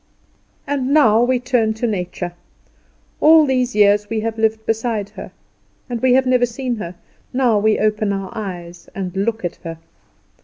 And now we turn to Nature. All these years we have lived beside her, and we have never seen her; and now we open our eyes and look at her.